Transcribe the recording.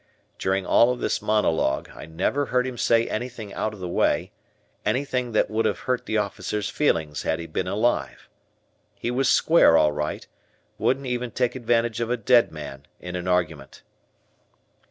During all of this monologue, I never heard him say anything out of the way, anything that would have hurt the officer's feelings had he been alive. He was square all right, wouldn't even take advantage of a dead man in an argument.